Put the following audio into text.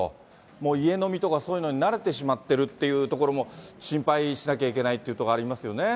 もう家飲みとか、そういうのに慣れてしまってるというところも心配しなきゃいけなそうですよね。